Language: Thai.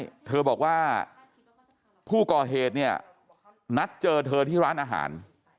ผู้ก่อเหตุบอกว่าผู้ก่อเหตุนัดเจอเธอที่ร้านอาหาร